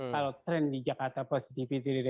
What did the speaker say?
kalau trend di jakarta positivity ratenya